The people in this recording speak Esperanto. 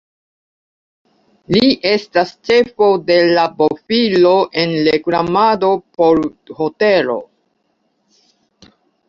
Li estas ĉefo de la bofilo en reklamado por hotelo.